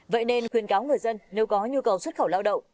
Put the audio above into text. vậy nên khuyên cáo người dân nếu có nhu cầu xuất khẩu lao động